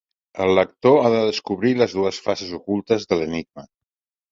El lector ha de descobrir les dues frases ocultes de l'enigma.